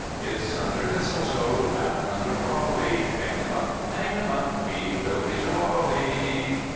"Kiss under mistletoe, Laugh under holly, Hang them up, Hang them up, We will be jolly."